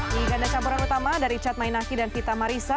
di ganda campuran utama dari cat mainaki dan vita marisa